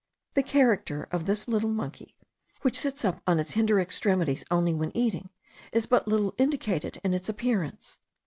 The character of this little monkey, which sits up on its hinder extremities only when eating, is but little indicated in its appearance.